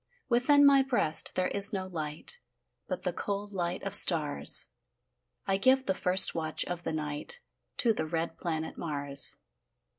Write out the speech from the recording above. Within my breast there is no light, But the cold light of stars; I give the first watch of the night To the red planet Mars.